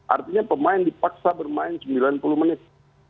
artinya pemain dipaksa bermain sembilan puluh menit